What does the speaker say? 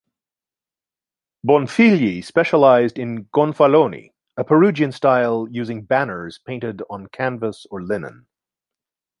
Bonfigli specialized in "gonfaloni", a Perugian style using banners painted on canvas or linen.